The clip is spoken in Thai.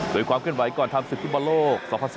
โดยความเคลื่อนไหวก่อนทำศึกฟุตบอลโลก๒๐๑๙